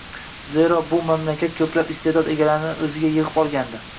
zero, bu mamlakat ko‘plab iste’dod egalarini o‘ziga yig‘ib olgandi.